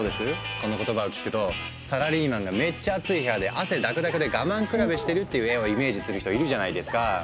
この言葉を聞くとサラリーマンがめっちゃアツい部屋で汗だくだくで我慢比べしてるっていう絵をイメージする人いるじゃないですか。